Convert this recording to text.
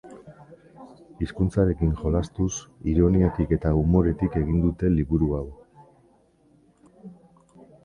Hizkuntzarekin jolastuz, ironiatik eta umoretik egin dute liburu hau.